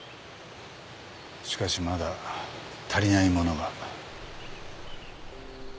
しかしまだ足りないものが。